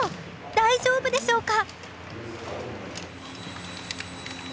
大丈夫でしょうか？